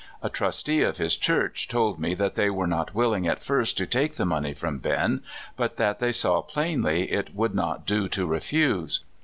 A trustee of his Church told me that they were not willing at first to take the money from Ben, but that they saw plainlv it would not do to refuse.